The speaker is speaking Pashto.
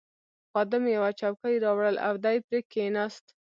خادم یوه چوکۍ راوړل او دی پرې کښېناست.